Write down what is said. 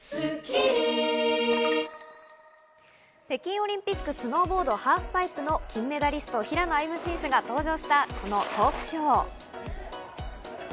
北京オリンピック、スノーボードハーフパイプの金メダリスト、平野歩夢選手が登場したこのトークショー。